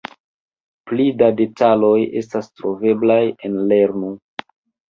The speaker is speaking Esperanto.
Pli da detaloj estas troveblaj en lernu!